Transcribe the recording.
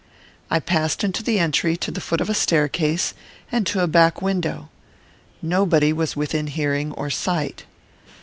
I passed into the entry, to the foot of a staircase, and to a back window. Nobody was within hearing or sight.